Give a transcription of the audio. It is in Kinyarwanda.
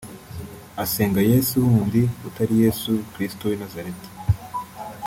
asenga Yesu wundi utari Yesu Kristo w’ I Nazareti